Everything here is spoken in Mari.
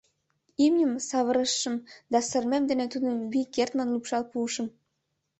Имньым савырышым да сырымем дене тудым вий кертмын лупшал пуышым.